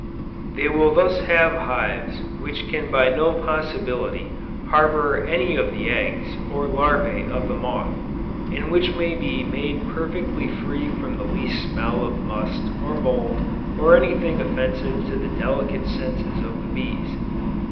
They will thus have hives which can by no possibility, harbor any of the eggs, or larvæ of the moth, and which may be made perfectly free from the least smell of must or mould or anything offensive to the delicate senses of the bees.